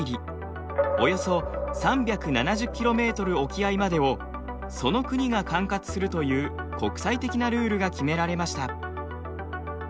およそ３７０ｋｍ沖合までをその国が管轄するという国際的なルールが決められました。